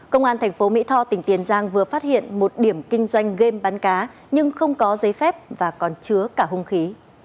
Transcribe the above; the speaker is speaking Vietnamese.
công an tp mỹ tho tỉnh tiền giang vừa phát hiện một điểm kinh doanh game bán cá nhưng không có giấy phép và còn chứa cả hung khí